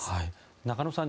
中野さん